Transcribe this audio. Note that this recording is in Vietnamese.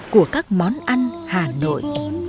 của các món ăn hà nội